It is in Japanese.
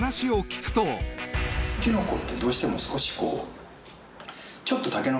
きのこってどうしても少しこう。